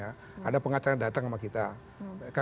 ada pengacara yang datang sama kita